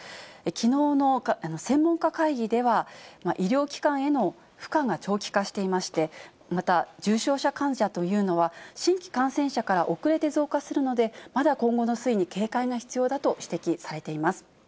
きのうの専門家会議では、医療機関への負荷が長期化していまして、また、重症者患者というのは、新規感染者から遅れて増加するので、まだ今後の推移に警戒が必要だと指摘されています。